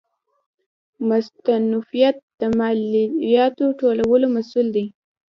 مستوفیت د مالیاتو ټولولو مسوول دی